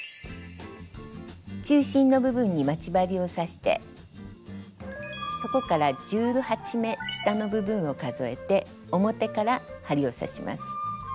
中心の部分に待ち針を刺してそこから１８目下の部分を数えて表から針を刺します。